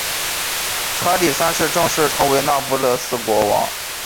查理三世正式成为那不勒斯国王。